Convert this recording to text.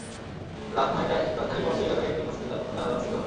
রাত নয়টায় রাজধানীর বনশ্রী এলাকার একটি মসজিদে তাঁর প্রথম জানাজা অনুষ্ঠিত হয়।